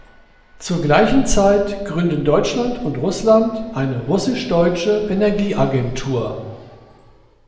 Zur gleichen Zeit gründen Deutschland und Russland eine russisch-deutsche Energieagentur.